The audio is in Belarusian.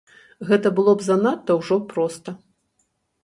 Гэта было б занадта ўжо проста.